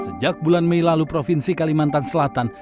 sejak bulan mei lalu provinsi kalimantan selatan